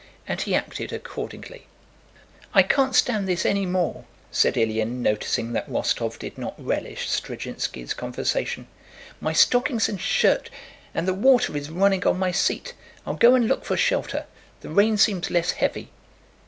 And he acted accordingly. "I can't stand this any more," said Ilyín, noticing that Rostóv did not relish Zdrzhinski's conversation. "My stockings and shirt... and the water is running on my seat! I'll go and look for shelter. The rain seems less heavy."